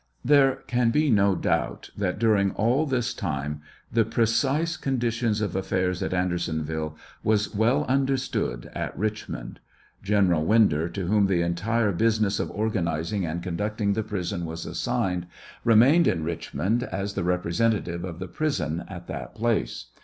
There can be no doubt that during all this time the precise condition of affairs at Andersonville was well understood at Richmond. General Winder, to whom H. Ex. Doc. 23 48 754 TRIAL OF HENRY WIRZ. the entire biisitiess of organizing and conducting the prison was assigned, re mained in Richmond as the representative of the prison at that place.